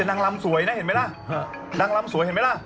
นางลำสวยนะเห็นไหมล่ะ